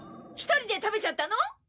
１人で食べちゃったの！？